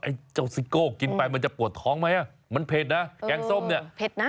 เจ้าซิโก้กินไปมันจะปวดท้องไหมอ่ะมันเผ็ดนะแกงส้มเนี่ยเผ็ดนะ